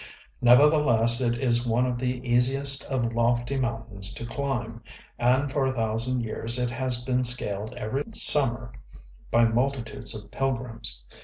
Nevertheless it is one of the easiest of lofty mountains to climb; and for a thousand years it has been scaled every summer by multitudes of pilgrims.